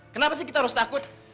kenapa sih kita harus takut